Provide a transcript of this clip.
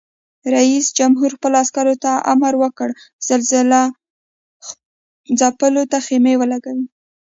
رئیس جمهور خپلو عسکرو ته امر وکړ؛ زلزله ځپلو ته خېمې ولګوئ!